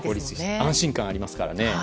安心感がありますからね。